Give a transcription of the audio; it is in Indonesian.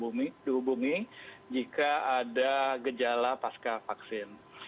jadi itu juga bisa dihubungi jika ada gejala pasca vaksin